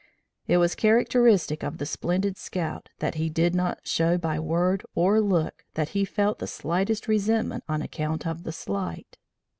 It was characteristic of the splendid scout that he did not show by word or look that he felt the slightest resentment on account of the slight.